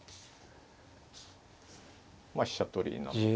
飛車取りなので。